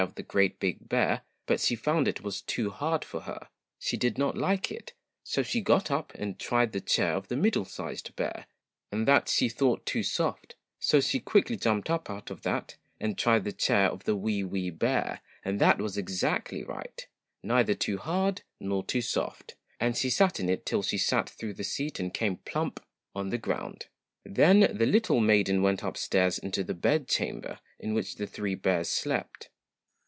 of the GREAT BIG BEAR, but she found it was too hard for her. She did not like it, so she got up and tried the chair of the MIDDLE SIZED BEAR, and that she thought too soft, so she quickly jumped up out of that and tried the chair of the WEE WEE BEAR, and that was exactly right, neither too hard nor too soft ; and she sat in it till she sat through the seat and came plump on the ground. Then the little maiden went upstairs into the bedchamber in which the Three Bears slept.